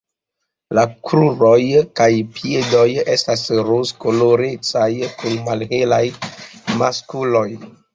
La kruroj kaj piedoj estas rozkolorecaj kun malhelaj makuloj.